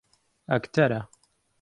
ئەکتەرە.